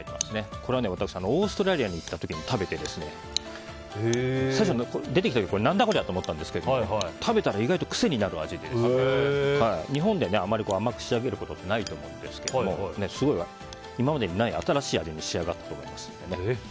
これは私、オーストラリアに行った時に食べて最初、出てきた時何だこりゃと思ったんですが食べたら意外と癖になる味で日本であまり甘く仕上げることはないと思うんですが今までにない新しい味に仕上がったと思いますので。